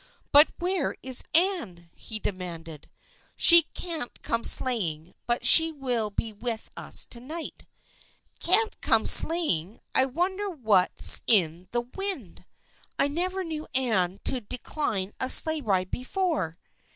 " But where is Anne? " he demanded. " She can't come sleighing, but she will be with us to night." " Can't come sleighing ! I wonder what's in the 152 THE FRIENDSHIP OF ANNE wind. I never knew Anne to decline a sleigh ride before."